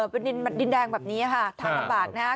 เป็นดินแดงแบบนี้ค่ะทางลำบากนะครับ